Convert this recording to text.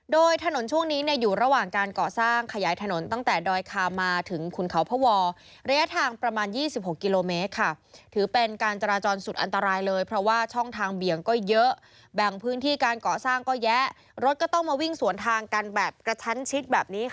โดยถนนช่วงนี้เนี่ยอยู่ระหว่างการเกาะสร้างขยายถนนตั้งแต่